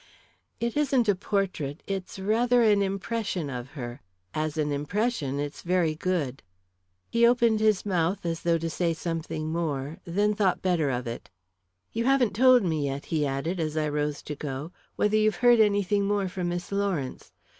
"It isn't a portrait it's rather an impression of her. As an impression, it's very good." He opened his mouth as though to say something more, then thought better of it. "You haven't told me yet," he added, as I rose to go, "whether you've heard anything more from Miss Lawrence.